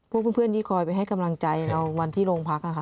พวกเพื่อนเพื่อนที่คอยไปให้กำลังใจแล้ววันที่โรงพักอะค่ะ